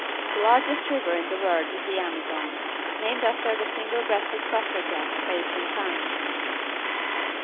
The largest river in the world is the Amazon, named after the single breasted suffragette of ancient times.